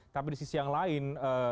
tapi di sisi yang lain